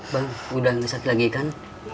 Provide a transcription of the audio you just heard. bang udah gak sakit lagi kan